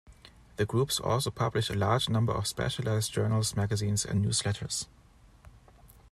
The groups also publish a large number of specialized journals, magazines, and newsletters.